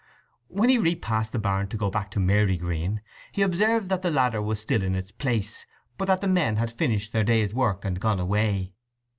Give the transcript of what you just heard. When he repassed the barn to go back to Marygreen he observed that the ladder was still in its place, but that the men had finished their day's work and gone away.